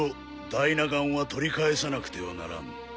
ダイナ岩は取り返さなくてはならん。